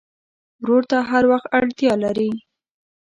ورور ته هر وخت اړتیا لرې.